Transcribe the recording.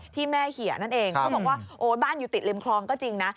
ที่แม่เหี่ยนั่นเองเขาบอกว่าโอ๊ยบ้านอยู่ติดริมคลองก็จริงนะ